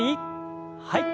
はい。